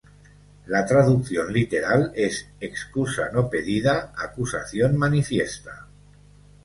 La traducción literal es ‘excusa no pedida, acusación manifiesta’.